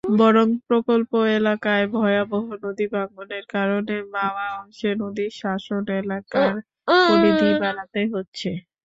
বরং প্রকল্প এলাকায় ভয়াবহ নদীভাঙনের কারণে মাওয়া অংশে নদীশাসন এলাকার পরিধি বাড়াতে হচ্ছে।